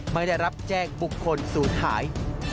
ไม่ได้รับแจ้งบุคคลศูนย์หาย